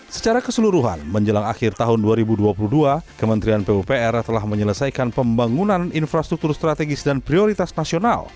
secara keseluruhan menjelang akhir tahun dua ribu dua puluh dua kementerian pupr telah menyelesaikan pembangunan infrastruktur strategis dan prioritas nasional